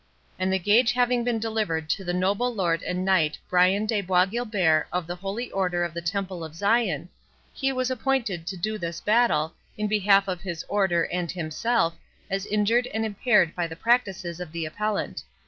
And the gage having been delivered to the noble Lord and Knight, Brian de Bois Guilbert, of the Holy Order of the Temple of Zion, he was appointed to do this battle, in behalf of his Order and himself, as injured and impaired by the practices of the appellant.